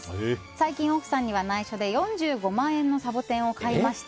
最近、奥さんには内緒で４５万円のサボテンを買いました。